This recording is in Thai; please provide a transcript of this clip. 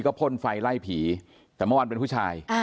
คลิปเมื่อวานเป็นผู้ชาย